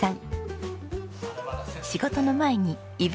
仕事の前にいぶ